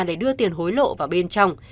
để đưa tiền hối lộ vào bên trong